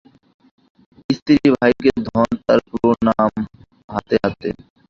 স্ত্রীভাগ্যে ধন, তার প্রমাণ হাতে হাতে।